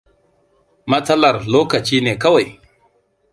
Matsalar lokaci ne kawai.